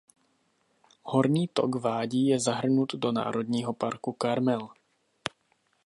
Horní tok vádí je zahrnut do Národního parku Karmel.